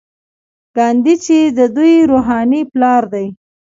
ګاندي جی د دوی روحاني پلار دی.